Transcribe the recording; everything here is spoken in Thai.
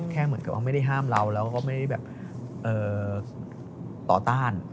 เหมือนกับว่าไม่ได้ห้ามเราแล้วก็ไม่ได้แบบต่อต้าน